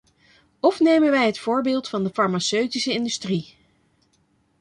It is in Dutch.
Of nemen wij het voorbeeld van de farmaceutische industrie...